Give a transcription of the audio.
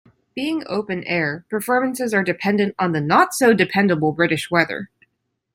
Being open air, performances are dependent on the not-so dependable British weather.